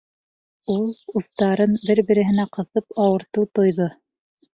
Ул, устарын бер-береһенә ҡыҫып, ауыртыу тойҙо.